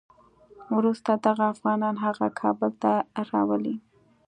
وروسته دغه افغانان هغه کابل ته راولي.